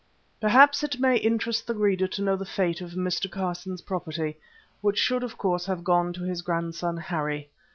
Perhaps it may interest the reader to know the fate of Mr. Carson's property, which should of course have gone to his grandson Harry.